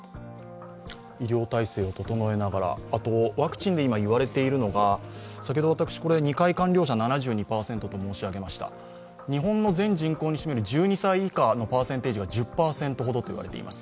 医療体勢を整えながら、あとワクチンで今、言われているのが２回完了者７２％と申し上げました、日本の全人口に占める１２歳以下が１０％ほどといわれています。